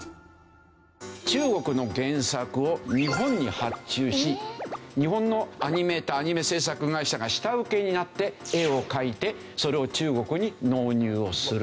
中国の原作を日本に発注し日本のアニメーターアニメ制作会社が下請けになって絵を描いてそれを中国に納入をする。